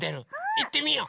いってみよう。